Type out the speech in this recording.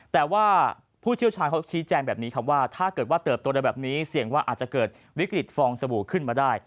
แต่ว่าผู้เชี่ยวชาญเขาชี้แจงแบบนี้ครับว่าถ้าเกิดว่าเติบโตได้แบบนี้เสี่ยงว่าอาจจะเกิดวิกฤตฟองสบู่ขึ้นมาได้